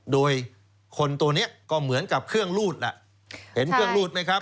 โดยคนตัวนี้ก็เหมือนกับเครื่องรูดล่ะเห็นเครื่องรูดไหมครับ